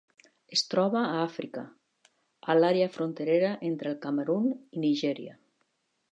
Es troba a Àfrica: a l'àrea fronterera entre el Camerun i Nigèria.